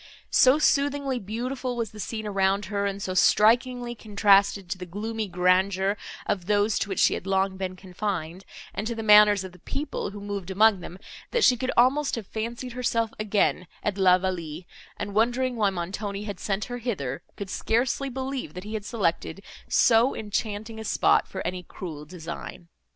So soothingly beautiful was the scene around her, and so strikingly contrasted to the gloomy grandeur of those, to which she had long been confined, and to the manners of the people, who moved among them, that she could almost have fancied herself again at La Vallée, and, wondering why Montoni had sent her hither, could scarcely believe, that he had selected so enchanting a spot for any cruel design.